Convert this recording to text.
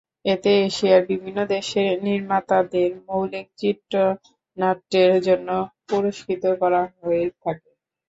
এতে এশিয়ার বিভিন্ন দেশের নির্মাতাদের মৌলিক চিত্রনাট্যের জন্য পুরস্কৃত করা হয়ে থাকে।